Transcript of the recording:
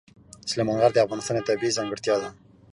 سلیمان غر د افغانستان یوه طبیعي ځانګړتیا ده.